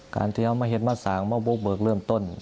การที่จะมาเห็นสารต้องลงเบิกเริ่มต้น